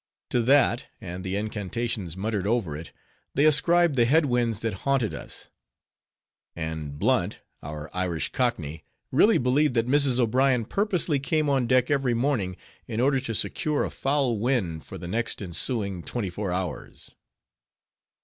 To that, and the incantations muttered over it, they ascribed the head winds that haunted us; and Blunt, our Irish cockney, really believed that Mrs. O'Brien purposely came on deck every morning, in order to secure a foul wind for the next ensuing twenty four hours.